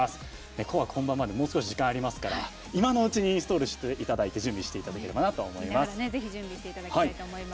「紅白」本番までもう少し時間がありますからインストールしていただいて準備していただければと思います。